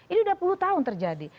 ini sudah puluh tahun terjadi